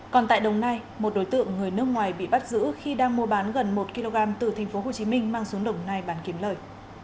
còn tại đồng nai một đối tượng người nước ngoài bị bắt giữ khi đang mua bán gần một kg từ tp hcm mang xuống đồng nai bán kiếm lời